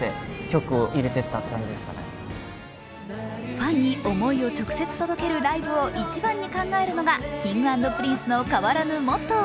ファンに思いを直接届けるライブを一番に考えるのがＫｉｎｇ＆Ｐｒｉｎｃｅの変わらぬモットー。